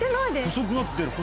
細くなってる。